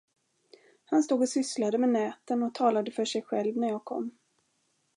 Han stod och sysslade med näten och talade för sig själv när jag kom.